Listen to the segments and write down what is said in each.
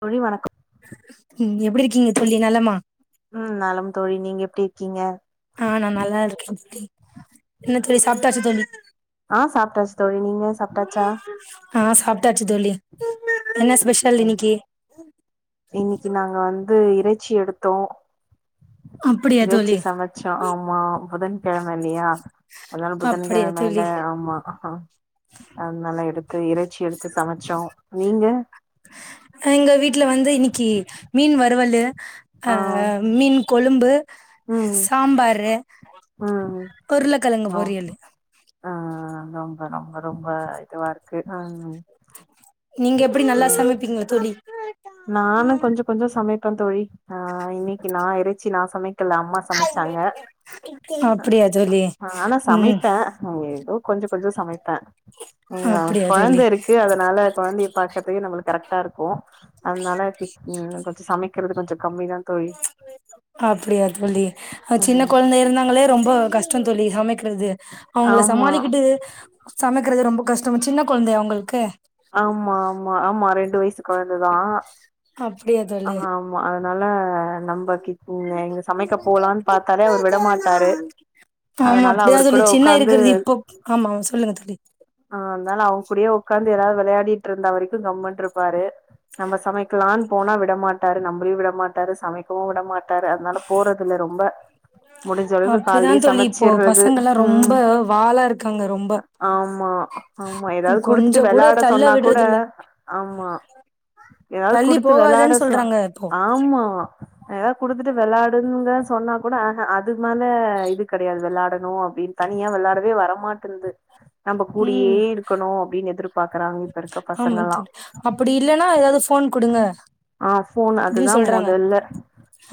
தோழி வணக்கம் ம் எப்டி இருக்கீங்க தோழி நலமா ம் நலம் தோழி நீங்க எப்டி இருக்கீங்க ஆ நல்லா இருக்கே தோழி என்ன தோழி சாப்ட்டாச்சா தோழி ஆ சாப்ட்டாச்சு தோழி நீங்க சாப்ட்டாச்சா ஆ சாப்ட்டாச்சு தோழி என்ன ஸ்பெஷல் இன்னைக்கி இன்னைக்கி நாங்க வந்து இறைச்சி எடுத்தோ அப்படியா தோழி இறைச்சி சமச் ச்சோ ஆமா புதன் கெழம இல்லயா அதனால அப்படியா புதன்கெழமையில தோழி ஆமா அதனால எடுத்து இறைச்சி எடுத்து சமச்சோ நீங்க எங்க வீட்ல வந்து இன்னைக்கி மீன் வருவலு அ ஆ மீன் கொழும்பு சாம்பாரு ஆ ஆ உருளக்கெழங்கு பொரியலு ஆ ரொம்ப ரொம்ப ரொம்ப இதுவா இருக்கு ஆ நீங்க எப்டி நல்லா சமைப்பீங்களா தோழி நானு கொஞ்ச கொஞ்சோ சமைப்பே த தோழி ஆ இன்னைக்கி நா இறைச்சி நா சமைக் கில அம்மா சமச்சாங்க அப்படியா தோழி ஆனா ம் சமைப்பே ஏதோ கொஞ்ச கொஞ்ச சமைப்பே நீங்க அப்படியா தோழி கொழந்தை இருக்கு அதனால கொழந்தைய பாக்கற்துக்கே நம்மளுக்கு கரெக்டா இருக்கு அதனால கிட் ன் கொஞ்ச சமைக்கிறது கொஞ்ச கம்மி தா அப்டியா தோழி அ சின்னக் ம் கொழந்த இரந்தாங்களேப் ரொம்போ கஷ்டந்தோழி சமைக்கிறது அவங்கள ஆமா சமாளிகிட்டு சமைக்கிறது ரொம்போ கஷ்டோ சின்ன கொழந்தையா அவுங்குள்க்கு ஆமா ஆமா ஆமா ரெண்டு வயசு கொழந்ததா அப்டியா தோ ஆ ஆமா அதனால நம்பகிட் இன்னே இங்க சமைக்கப் போலான் பாத்தாலே அவுர் விடமாட்டாரு அதனால அவுரு கூட உக்காந்து ஆமாவு சொல்லுங்க தோழி ஆ அத்னால அவுங் கூடியே வுக்காந்து எதாவ்து வெளையாடிட்ருந்தா வரைக்கு கம்முன்ட்ருப்பாரு நம்ப சமைக்லான் போனா விடமாட்டாரு நம்ளையு விடமாட்டாரு சமைக்கவு விடமாட் ட்டாரு அதனாலப் போறதுல்ல ரொம்ப முடிஞ்ச அளவுக்கு அப்டிதா கால்லியே தோழி இப்போ சமச்சிர்றது பசங்கல்லா ம் ரொம்ப ம் வாலா இருக்காங்க ரொம்ப ஆமா ஆமா எதாவ்து கொஞ்சோ குடுத்துட்டு கூட வெளாட தள்ள சொன்னாக் கூட விடுறதில்ல ஆமா எதாவ்து தள்ளி குடுத்து வெளாட போகாதன்னு சா சொல்றாங்க இப்போ ஆம்மா எதா குடுத்துட்டு வெளாடுன்ங்க சொன்னாக் கூட ஆ அ அதுக் மேல இது கெடையாது வெளாடணு அப் ப்டின் தனியா வெளாடவே வரமாட்டுந்து நம்பக் கூடியே ம் இருக்கணு அப்டின் எதிர்ப் பாக்கறாங் இப்ப இருக்கப் பசங்களா இல்லனா எதாது ஃபோன் குடுங்க ஆ ஃபோனு அப்டின்னு அதுதா சொல்றாங்க மொதல்ல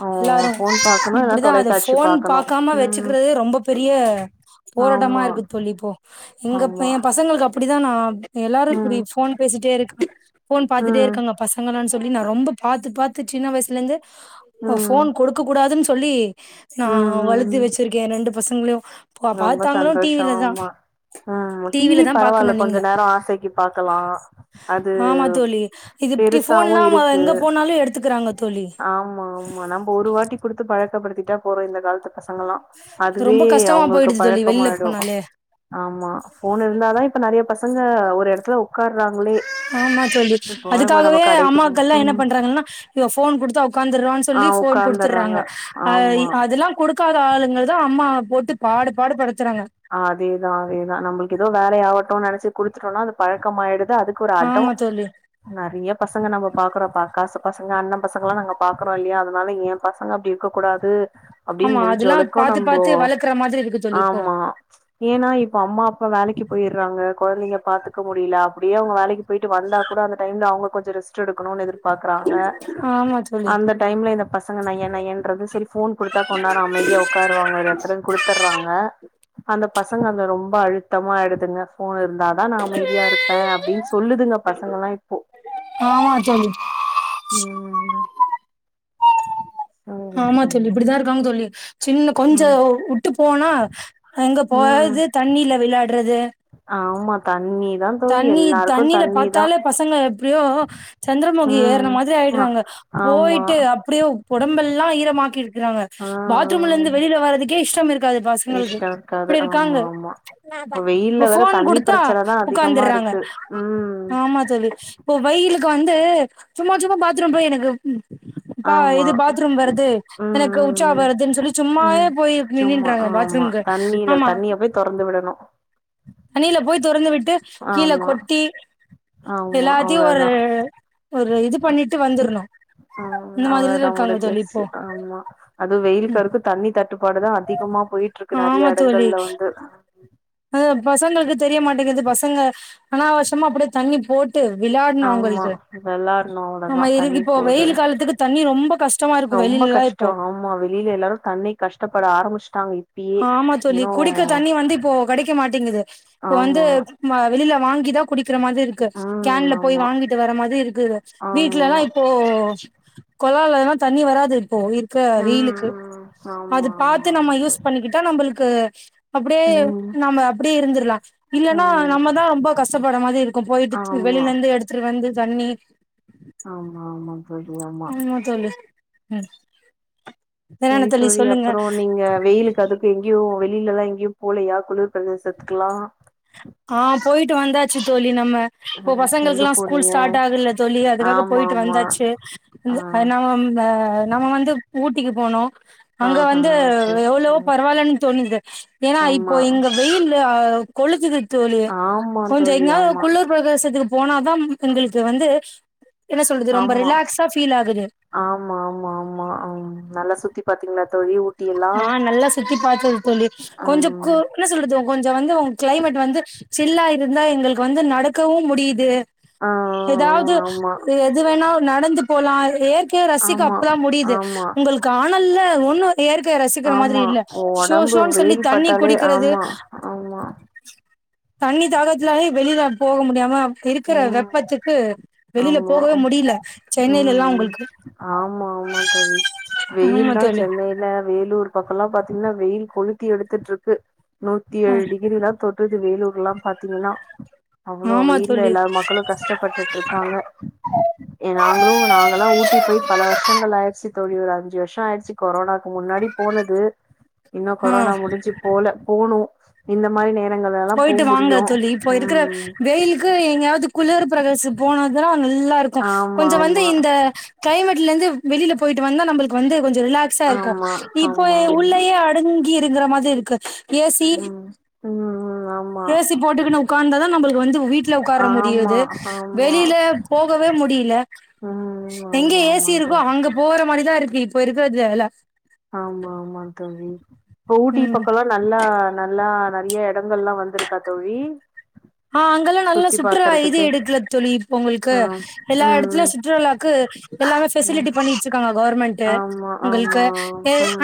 ஓ எல்லாரு ஃபோன் பாக்கணு இல்ல இப்புடிதா அது தொலைக்காட்சி ஃபோன் பாக்கணு பாக்காம ம் வெச்சுகிறதே ரொம்ப பெரிய போராட்டமா ஆமா இருக்கு தோழி இப்போ எங்கப் ஆமா எம் பசங்களுக்கு அப்டிதா நாப் எல்லாரு இப்புடி ம் ஃபோன் பேசிட்டே இருக் ஃபோன் பாத்துட்டே ம் இருக்காங்க பசங்களான் சொல்லி நா ரொம்பப் பாத்து பாத்து சின்ன வயிச்லந்து ம் ஒ ம் ஃபோன் கொடுக்க கூடாதுன் சொல்லி நா ம் வளுத்து ம் வெச்சிருக்கே ரெண்டு பசங்ளியு போ பாத்தாங்களு டி விலதா இம்ம டி விப் பரவால்ல கொஞ்ச நேரோ ஆசைக்கி பாக்கலா அது ஆமா தோழி இது இப்டி பெருசாவு ஃபோன்லா அவங்க இருக்கு எங்க போனாலு எடுத்துக்கிறாங்க தோழி ஆமா ஆமா நம்ப ஒரு வாட்டி குடுத்து பழக்கப்படுத்திட்டா போறோ இந்த காலத்துப் அது ரொம்ப கஷ்டமா போயிடுது தோழி வெள்லப் பழக்கமாயிடு போனாலே ஆமா ஃபோனு இருந்தாதா இப்ப நெறையப் பசங்க ஒரு எடத்துல உக்கார்றாங்ளே ஆமா தோழி அதுக்காகவே போ அம்மாக்கள்லா என்னப் ம் பண்றாங்கள்னா இவெ ஃபோன் குடுத்தா ஒக் க்காந்துர்ரோன் ஆ சொல்லி ஃபோன் உக்காந்தர்றாங்க குடுத்துர்றாங்க அயி ஆமா அதுலாங் குடுக்காத ஆளுங்கள்தா அம்மாவ போட்டுப் பாடு பாடு படுத்துறாங்க அதேதா அதேதா நம்புள்க் எதோ வேலையாவட்டுன் நெனச்சு குடுத்துட்டோனா அது பழக்கமாயிடுது அதுக் கு ஒரு அடோ ஆமா தோழி நெறையப் பசங்க நம்ம பாக்கறோ ப காசு பசங்க அண்ணம் பசங்களா நாங்க பாக்கறோ இல்லியா அதனால எம் பசங்க அப்டி இருக்க கூடாது அப்டின் ஆமா அதெல்லா முடிஞ்சளோக்கு பாத்து நம்போ பாத்து வளக்குற மாதிரி இருக்கு தோழி இப்போ ஆமா ஏனா இப்ப அம்மா அப்பா வேலைக்கி போயிர்றாங்க கொழந்தைங்க பாத்துக்க முடில அப்டியே அவுங்க வேலைகிப் போய்ட்டு வந்தாக்கூட அந்த டைம்ல அவுங்க கொஞ்சோ ரெஸ்ட் எடுக்குணுன் எதிர்பாக்கறாங்க ஆமா தோழி அந்தட் டைம்ல இந்த பசங்க நைய நையன்றது சரி ஃபோன் குடுத்தா கொண் நேரோ அமைதியா ஒக்காருவாங்க ஒரு எடத்துலன் குடுத்தர்றாங்க அந்தப் பசங்க அந்த ரொம்ப அழுத்தமாய்டுதுங்க ஃபோன் இருந்தாதா நா அமைதியா இருப்பே அப்டின்ச் சொல்லுதுங்க பசங்களா இப்போ ஆ தோழி ம் சரி ஆமா சரி தோழி இப்டிதா சரி இருக்காங்க தோழி சின்னப் கொஞ்சோ ம் ஓ வுட் ட்டுப் போனா எங்கப் போ ம் அது தண்ணில விளாட்றது ஆமா தண்ணி தா தண்ணி தண்ணில பாத்தாலே பசங்க எப்படியோ சந்திரமுகி ம் ஏறுன மாதிரி ஆ ஆயிடுறாங்க ஆமா போயிட்டு அப் அப்படியே உடம்பெல்லா ஈரமாக்கி இருக்கறாங்க ஆ பாத்ரூம்ல இருந்து வெளில வர்றதுக்கே இஷ்டம் இருக் காது பசங்களுக்கு இஷ்டோ இருக்காது இப்படி இருக்காங்க ஆமா ஆமா வெயில்ல இப்ப வேற ஃபோன் தண்ணி குடுத்தா பிரச்சனதா அதிகமா வந்தறாங்க இருக்கு ம் ஆ ஆமா தோழி இப்ப வெயிலுக்கு வந்து சும்மா சும்மா பாத்ரூம் போய் எனக்கு ம் ப்பா ஆமா இது பாத்ரூம் வருது ம் எனக்கு உச்சா ம் ம் வருதுன் சொல்லி சும்மாவே போயி நின்னின்றாங்க பாத்ரூம்க்கு தண்ணியில ஆமா தண்ணிய போய் தொறந்து விடணு தண்ணியில போய் தொறந்து விட்டு கீழ ஆமா கொட்டி ஆமா எல்லாத்தையு ஒரு அவ்ளோதா ஒரு இது பண்ணிட்டு வந்துர்ணு ஆ இந்த மாதிரிதா அவ்ளோதா இருக்காங்க தோழி இப்போ முடிஞ்சிருச்சு ஆமா அதுவு வெயிலுக்கற்க்கு தண்ணி தட்டுப்பாடு தா அதிகமா போயிட்ருக்கு நறையா எடங்கள்ல வந்து அத பசங்களுக்கு தெரிய மாட்டேங்குது பசங்க ஆனாவஷ்யமா அப்படியே தண்ணி போட் டு விளையாடுனு ஆமா அவுங்களுக்கு வெளாட்ணு அவ்ளோதா நம்ம இரு தண்ணி இப்போ போது வெயில் காலத்துக்கு தண்ணி ரொம்ப கஷ் ஷ்டமா இருக்கு ரொம்ப வெளிலலா கஷ்டோ இப்போ ஆமா வெளியில எல்லாரு தண்ணிக் கஷ்டப்பட ஆரம்மிச்சுட்டாங்க ஆமா தோழி குடிக்க தண்ணி வந்து இப்போ கடைக்க மாட்டேங்குது இப்ப வந்து ஆமா நம்ம வெளியில வாங்கி தா குடிக்கிற மாரி இருக் கு ம் கேன்ல போய் ஆமா வாங்கிட்டு வர மாதிரி இருக்குது வீட்ல ஆமா எல்லா இப்போ கொழாலல்லா தண்ணி வராது இப்போ இருக்க ம் வெயிலுக்கு ம் ஆமா ஆமா அது பாத்து ஆமா நம்ம யூஸ் பண்ணிக்கிட்டா நம்பளுக்கு அப்டியே தோழி ம் நம்ம அப்டியே இருந்துருல்லா இல்லன்னா ம் நம்மதா ரொம்ப கஷ்டப்பட மாதிரி இருக்கு போயிட்டு ஆமா வெளில இருந்து எடுத்துட்டு வந்து தண்ணி ஆமா ஆமா தோழி ஆமா சொல்லு ம் என்னென்ன செரி தோழி சொல்லுங்க அப்பறோ நீங்க வெயிலுக்கு அது இப்ப எங்கேயு வெளிலல்லா எங்கியு போலையா குளிர் பிரதேசத்துகெல்லா ஆ போயிட்டு வந்தாச்சு தோழி நம்ம இப்போ ஆ எங்க பசங்களுக்கெல்லா ஸ்கூல் போனீங்க ஸ்டார்ட் ஆகுல்ல தோழி அதுக்காக ஆமா போயிட்டு ஆமா வந்தாச்சு ஆ ந்து அதுநவம்ப நம்ம வந்து ஊட்டிக்கு போனோ அங்க ஆஹா வந்து ஓகே எவ்ளவோ ம் பரவாயில்லன் தோணுது ஏனா இப்போ ஆமா இங்க வெயிலு கொளுத்துது தோழி ஆமா கொஞ்சோ தோழி எங்கயாது குளு ஆமா குளிர் பிரதேசத்துக்கு போனா தா எங்களுக்கு வந்து என்ன சொல்றது ரொம்ப ஆமா ரிலாக்ஸா ஃபீல் ஆகுது ஆமா ஆமா ஆமா அம் நல்லா சுத்தி பாத்தீங்களா தோழி எல்லா ஆ நல்லா சுத்தி பாத்தது தோழி கொஞ்ச கு ம் என்ன சொல்றது கொஞ்சோ வந்து உங் கிளைமேட் வந்து சில்லா இருந்தா எங்களுக்கு வந்து நடக்கவும் முடியுது ஆ ஏதாவது ஆமா எது வேணா நடந்து போலா எற் இயற்க்கைய ரசிக்க ஆமா அப்பதா முடியுது ஆமா உங்களுக்கு ஆனல்ல ஒன்னு இயற் கைய ரசிக்கிற மாதிரி ஆமா இல்ல ஷோ ஒடம்பு ஷோனு சொல்லி வெயில் தண்ணி பட்டாலே குடிக்கறது ஆமா ஆமா தண்ணி தாகத்துலே வெளியில போக முடியாம இருக்கற ம் வெப்பத்துக்கு வெளியில ஆமா போகவே முடியல சென்னையிலல்லா ம் உங்களுக்கு ஆமா ஆமா ஆமா தோழி ல வேலூர் பக்கோல்லா பாத்தீங்கன்னா வெயில் கொளுத்தி எடுத்துட்ருக்கு நூத்தி ஆ ஏழு டிகிரி தா தொட் டுது வேலூர்ல்லா பாத்தீங்கன்னா அவ்ளோ ஆமா வெயில்ல தோழி எல்லாரு மக்களு கஷ்டப்பட்டுட் ருக்காங்க ஏ நாங்களு நாங்கல்லா ஊட்டி போய் பல வருஷங்கள் ஆயிருச்சு தோழி ஒரு அஞ்சு வருஷோ ஆயிடுச்சு கொரோனா முன்னாடி போனது இன்னு ஆ கொரோனா முடிஞ்சு போல போனு இந்த மாரி நேர போய்ட்டு வாங்க தோழி இப்போ இருக்கிற வெயில் க்கு எங்கயாவது குளிர் பிரதேச போன தா நல்லா இருக்கு ஆமா கொஞ்ச வந்து ஆமா இந்த க்ளைமேட்ல இருந்து வெளியில போயிட்டு வந்தா நம்மளுக்கு வந்து கொஞ்ச ரிலாக்ஸா இருக்கு ஆமா இப்போ ஆமா ஆமா உள்ளயே அடங்கி இருக்குற மாதிரி இருக்கு ஏ சி ஆ ஏ சி போட்டுக்குன்னு ஒக்காந்தாதா நம்மளுக்கு வந்து வீட்ல ஒக்காற ஆமா, முடியுது ஆமா. வெளியில போகவே முடியல ம். எங்க ஆமா, ஏ ஆமா சி இருக்கோ தோழி. அங்க போற மாரிதா இருக்கு போய் இருக்குறதுல இல்ல ஆமா ஆமா தோழி இப்ப ஊட்டி ம் பக்கலா நல்லா நல்லா நெறயா எடங்கல்லா வந்துருக்கா தோழி ஆ அங்கெல்லா நல்லா சுத்தி சுற்றுலா இது பாக்கறதுக்கு. இடுக்குல தோழி இப்ப ஒங்களுக்கு ஆ. எல்லா ம், எடத்துலயு சுற்றுலாக்கு எல்லாமே ம். பெசிலிட்டி பண்ணி வச்சுருக்காங்க கவர்மெண்டு ஆமா, உங்களுக்கு ஆமா.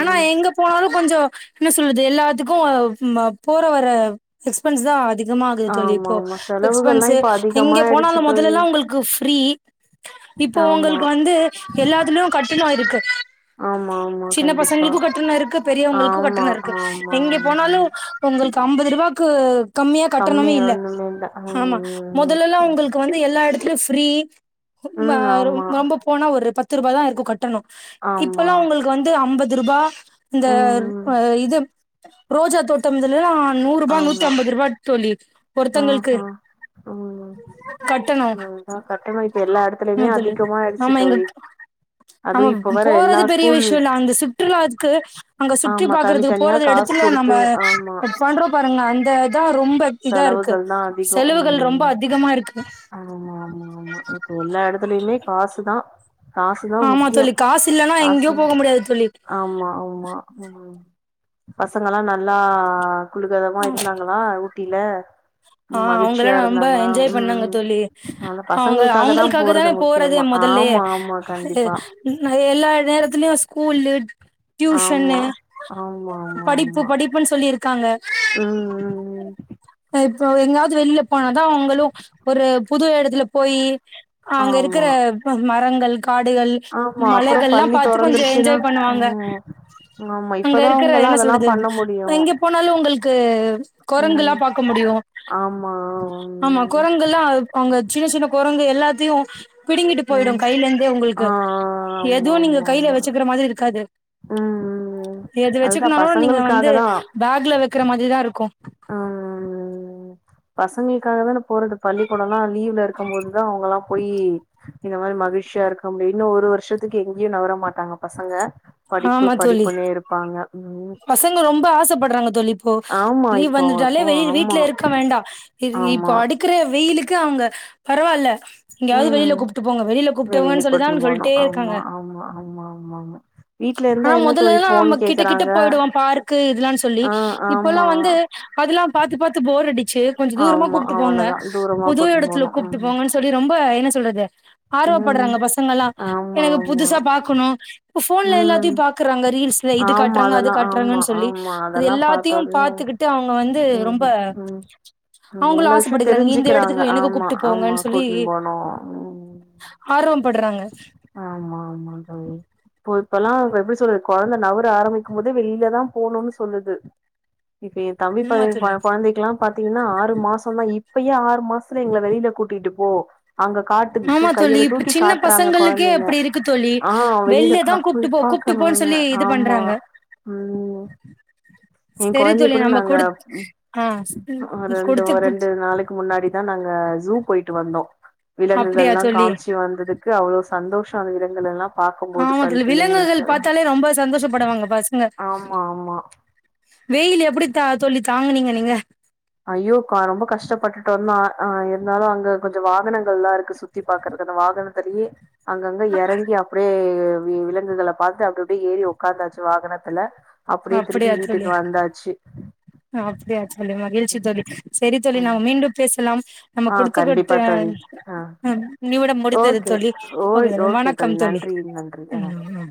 ஆனா எங்க போனாலு கொஞ்சோ என்ன சொல்றது எல்லாத்துக்கு போற வர எக்ஸ்பென்ஸு தா அதிகமா தோழி இப்போ ஆமாமா. செலவுகள்லா எக்ஸ்பன்ஸ்சு இப்ப எங்க அதிகமாயிடுச்சு போனாலு தோழி. மொதலல்லா ஒங்களுக்கு ஃப்ரீ இப்போ ஆமா. ஒங்களுக்கு வந்து எல்லாத்துலயு கட்டணோ இருக்கு ஆமாமா சின்ன கண்டிப்பா. பசங்களுக்கு கட்டண இருக்கு பெரியவங்களுக்கு ஆமா, கட்டண இருக்கு ஆமா, எங்க ஆமா, போனாலு ஆமா. ஒங்களுக்கு அம்பது ரூபாக்கு கம்மியா கம்மி கட்டணமே இல்ல ஒண்ணுமே இல்ல. ம். ஆமா ம். மொதலல்லா ஒங்களுக்கு வந்து எல்லா எடத்துலயு ஃப்ரீ ம். ஆமா, ரொம்ப போனா ஒரு பத்து ரூபாய் தா இருக்கு கட்ட ட்டனு ஆமா. இப்பல்லா ஒங்களுக்கு வந்து அம்பது ரூபாய் இந்த ம். இது ரோஜா தோட்டம் இதுல எல்லா நூறு ரூபா நூத்தி ஆமா. அம்பது ரூபா தோழி ஒருத்தங்களுக்கு ஆஹா ம் கட்டணோ ம் அதா கட்டணோ இப்ப எல்லா ஆமா எடத்துலயுமே தோழி அதிகமா ஆயிடுச்சு தோழி அதுவு இப்ப அங்க வேற எல்லா போறது பெரிய ஸ்கூல் விஷயோ இல்ல அந்த சுற்றுலாத்துக்கு அங்க சுத்தி ஆமா பாக்குறதுக்கு தனித்தனியா போறது எடத் காசு த்துல குடுத்து நம்ம ஆமா பண்றோ பாருங்க அந்ததா ரொம்ப இதா இருக்கு செலவுகள் தா அதிகோ செலவுகள் ரொம்ப ம் அதிகமா இருக்கு ஆமா ஆமா ஆமா இப்ப எல்லா எடத்துலயுமே காசுதா காசுதா ஆமா முக்கியோ தோழி காசு இல்லன்னா எங்கேயோ காசு போக முடியாது தோழி ஆமா ஆமா பசங்கல்லா நல்லா குல்கதமா இருந்தாங்கள வா ஊட்டில ஆ அவுங்கால மகிழ்ச்சியா ரொம்ப இருந்தாங்களா என்ஜாய் ம் பண்ணாங்க ம் தோழி அதா அவுங்க பசங்களுக்காக தா அவுங்களுக்காக போறது தானே போறதே முக்கியமா மொதல்லே ஆமா ஆமா கண்டிப்பா எல்லா நேரத்துலயு ஸ்கூல்லு ஆமா டியூஷன்னு ஆமா படிப்பு படிப்புன்னு சொல்லி இருக்காங்க உம் உம் உம் இப்போ எங்காவது வெளில போனாதா அவுங்களு ஒரு புது எடத்துல போயி அங்க ஆமா இருக்குற மரங்கள் காடுகள் ஆமா அப்புறோ மலைகள்லா பள்ளி பாத்து கொஞ்சோ தொறந்துருச்சுன்னா என்ஜாய் பண்ணுவாங்க ம் ஆமா அங்க இப்பதா இருக்குற அவங்கல்லா என்ன அதெல்லா சொல்றது பண்ண முடியு எங்க போனாலு ஒங்களுக்கு ம் கொரங்கெல்லா பாக்க முடியு ஆமா ஆமா கொரங்கெல்லா அவுங்க சின்ன சின்ன கொரங்கு எல்லாத்தையு பிடுங்கிட்டு போயிடு ம் கையில இருந்து ஒங்களுக்கு ஆ ஆமா எதுவு நீங்க ஆமா கையில ஆமா வெச்சுக்குற மாரி இருக்காது ம் ம் எது அதுதா வெச்சுக்கனாலு நீங்க வந்து பசங்களுக்காக தா பேக்ல வெக்குற மாரிதா இருக்கு [inaudible] ம் பசங்களுக்காக தான போறது பள்ளிக்கூடோ எல்லா லீவ்ல இருக்கும் போதுதா அவுங்களா போயி இந்த மாரி மகிழ்ச்சியா இருக்க முடியு இன்ன ஒரு வருஷத்துக்கு எங்கேயு நகர மாட்டாங்க பசங்க படிப்பு ஆமா தோழி படிப்புன்னே இருப்பாங்க ம் பசங்க ரொம்ப ஆசைப்படுறாங்க தோழி ப்போ ஆமா லீவ் இப்போ வந்துட்டாலே இப்போ வெயி ஆமா வீட்ல இருக்க வேண்டா இப்ப ஆமா அடி க்கிற வெயிலுக்கு அவங்க பரவாயில்ல எங்கயாது வெளில ம் கூப்பிட்டு போங்க வெளில கூப்புட்டுங்க சொல்லிதா கூட்னு போனு சொல்ட்டே இருக்காங்க ஆமா ஆமா ஆமா ஆமா ஆமா வீட்ல இருந்தா ஆனா என்ன தோழி முதல்லைலா ஃபோன் நம்ம கிட்ட கிட்ட கேக்குறாங்க போயிடுவோ பார்க்கு இதல்லானு சொல்லி ஆ இப்பெல்லா ஆமா வந்து அதெல்லா பாத்து பாத்து போர் அடிச்சு கொஞ்ச தூரமா ஆமா கூப்புட்டு போங்க அவ்வளதா தூரமா புது கூட்னு இடத்துல போனு கூப்புட்டு ம் போங்கன்னு சொல்லி ரொம்ப என்ன சொல்றது ம் ஆர்வப்படுறாங்க பசங்கல்லாம் ஆமா எனக்கு ஆமா புதுசா பாக்கணு போன்ல எல்லாத்தையு ம் பாக்குறாங்க ரீல்ஸ்ல இது ஆமா காட்டுறாங்க அது அதெல்லா ஆமா காட்டுறாங்கன் சொல்லி ஆமா அது அதெல்லா எல்லாத்தயு பாத்தோனே பாத்துக்கி ட்டு அவங்க வந்து ரொம்ப ம் ம் ம் அவுங்களு எல்லா விஷயோ ஆசப்பட்டுகுறாங்க இந்த தெரிஞ்சுக்கிறாங்க இடத்துக்கு எனக்கு ஆமா கூப்புட்டு ஆமா போங்கன்னு சொல்லி கூட்டுன்னு போனோ ம் ஆர்வம் படுறாங்க ஆமா ஆமா தோழி இப்ப இப்பெல்லா எப்டி சொல்லுறது குழந்த நவர ஆரம்பிக்கும் போதே வெளிலதான் போகணுனு சொல்லுது இப்ப ஏ தம்பி ஆமா பைய தோழி குழ குழந்தைக்கெல்லா பாத்தீங்ன்னா ஆறு மாசோ தா இப்பயே ஆறு மாச எங்கள வெளில கூட்டிட்டு போ அங்க காட்டு ஆமா தோழி கையள இப்ப தூக்கி சின்ன காட்டுறாங்க பசங்களுக்கே கொழந்தைங்க அப்டி இருக்கு தோழி ஆ வெளியில வெள்ள கா தான் போய் கூப்புட்டு போ கூப்புட்டு போன்னு பாக்கணுன்னு சொல்லி இது ஆமா பண்றாங்க ஏ செரி குழந்தைக்கு தோழி கூட நம்ம நாங்க குடுத் ஆ ஆ ரெண்டு குடுத்து ஒரு ரெண்டு புட்ச் நாளக்கு முன்னாடி தான் நாங்க ஜூ போய்ட்டு வந்தோம் விலங்குகள் அப்டியா ல்லா தோழி காமிச்சி வந்தது க்கு அவ்ளோ சந்தோஷ அதுங்க இடங்கள் எல்லா பாக்கும்போது ஆமா பல் தோழி பிள்ளைங்களுக்கு விலங்குகள் பாத்தாலே ரொம்ப சந்தோஷப்படுவாங்க பசங்க ஆமா ஆமா வெயில் எப்டி த தோழி தாங்கனீங்க நீங்க ஐயோ ரொம்ப கஷ்டப்பட்டுட்டு வந்தா அவன் ஆ இருந்தாலு அங்க கொஞ்சோ வாகனங்கள்லா இருக்கு சுத் சுத்தி பாக்றது அந்த வாகனத்துலயே அங்கங்க இறங்கி அப்டியே விலங்குகளை பாத்து அப்டி அப்டியே ஏறி உக்காந்தாச்சு வாகனத்துல அப்டியே திருப்பி அப்டியா தோழி வீட்டுக்கு வந்தாச்சு அப்டியா தோழி மகிழ்ச்சி தோழி சரி தோழி ம் நாம மீண்டும் பேசலாம் நம்ம ஆ கண்டிப்பா குடுத்துகிட்ட தோழி ஆ இன்னையோட முடிந்தது ஓகே தோழி ஓ ஓகே வணக்கம் தோழி நன்றி நன்றி ஆ ம் ம்